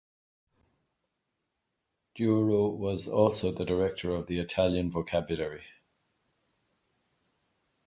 Duro was also the director of the Italian Vocabulary.